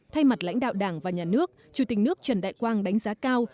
thay mặt lãnh đạo đảng và nhà nước chủ tịch nước trần đại quang đánh giá cao